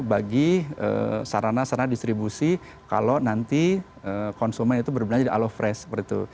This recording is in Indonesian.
bagi sarana sarana distribusi kalau nanti konsumen itu berbelanja di alofresh